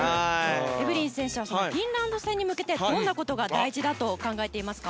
エブリン選手はフィンランド戦に向けてどんなことが大事だと考えていますか。